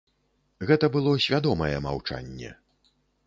Гэта было свядомае маўчанне.